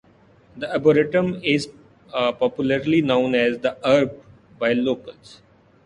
The arboretum is popularly known as "the Arb" by locals.